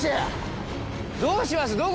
どうします？